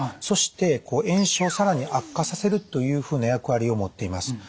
そして炎症を更に悪化させるというふうな役割を持っています。